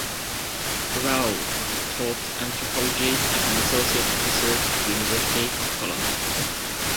Rao taught anthropology as an associate professor at the University of Cologne.